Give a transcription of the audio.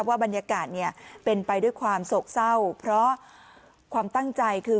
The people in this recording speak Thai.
บรรยากาศเนี่ยเป็นไปด้วยความโศกเศร้าเพราะความตั้งใจคือ